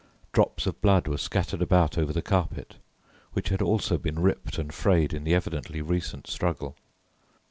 Drops of blood were scattered about over the carpet, which had also been ripped and frayed in the evidently recent struggle.